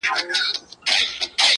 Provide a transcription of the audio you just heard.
زه سوځلې سينه نه سوم